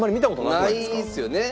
ないですよね。